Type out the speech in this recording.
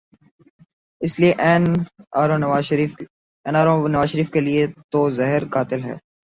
اس لیے N R O Nawaz Sharif کیلئے تو زہر قاتل ہے۔